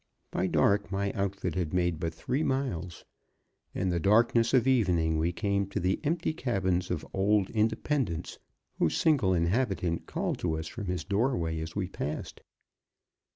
By dark my outfit had made but three miles. In the darkness of evening we came to the empty cabins of old Independence, whose single inhabitant called to us from his doorway as we passed.